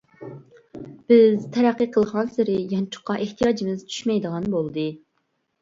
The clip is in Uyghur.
بىز تەرەققىي قىلغانسېرى يانچۇققا ئېھتىياجىمىز چۈشمەيدىغان بولدى.